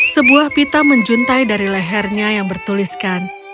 sebuah pita menjuntai dari lehernya yang bertuliskan